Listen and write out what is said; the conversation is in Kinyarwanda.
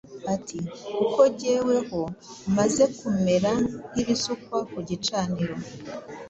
ati: “Kuko jyeweho maze kumera nk’ibisukwa ku gicaniro,